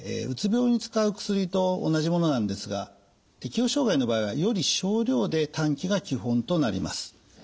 うつ病に使う薬と同じものなんですが適応障害の場合はより少量で短期が基本となります。